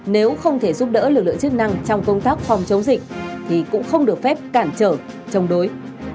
nếu không thể giúp đỡ lực lượng chức năng trong công tác phòng chống dịch thì cũng không được phép cản trở chống đối